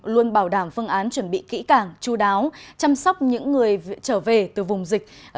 luôn bảo đảm phương án chuẩn bị kỹ càng chú đáo chăm sóc những người trở về từ vùng dịch